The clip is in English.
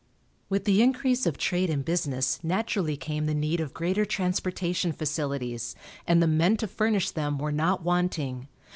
With the increase of trade and business naturally came the need of greater transportation facilities, and the men to furnish them were not wanting.